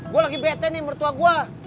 gue lagi bete nih mertua gue